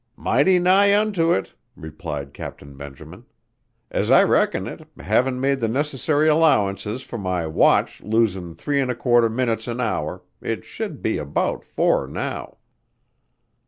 "Mighty nigh unto it," replied Captain Benjamin. "As I reckon it, havin' made the necessary allowances for my watch losin' three an' a quarter minutes an hour, it should be about four now."